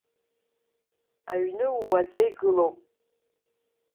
Аҩны ууаӡа игылоуп.